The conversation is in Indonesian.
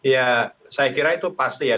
ya saya kira itu pasti ya